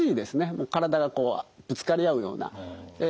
体がこうぶつかり合うようなえ